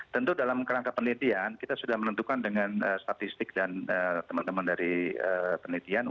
tentu dalam kerangka penelitian kita sudah menentukan dengan statistik dan teman teman dari penelitian